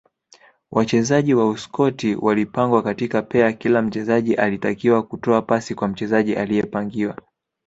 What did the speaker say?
Wachezaji wa Uskoti walipangwa katika pea kila mchezaji alitakiwa kutoa pasi kwa mchezaji aliyepangiwa